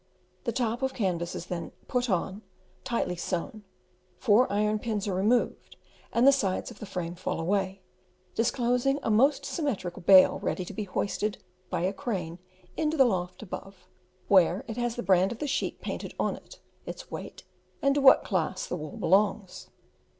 The top of canvas is then put on, tightly sewn, four iron pins are removed and the sides of the frame fall away, disclosing a most symmetrical bale ready to be hoisted by a crane into the loft above, where it has the brand of the sheep painted on it, its weight, and to what class the wool belongs.